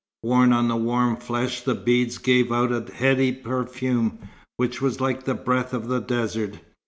Worn on the warm flesh, the beads gave out a heady perfume, which was like the breath of the desert.